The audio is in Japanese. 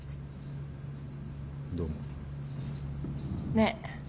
ねえ。